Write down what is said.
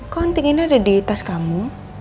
kok anting ini ada di tas kamu